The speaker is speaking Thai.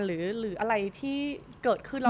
หรืออะไรที่เกิดขึ้น